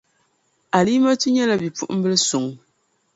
Alimatu nyεla bipuɣinbil' suŋ.